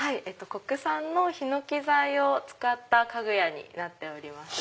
国産のヒノキ材を使った家具屋になっております。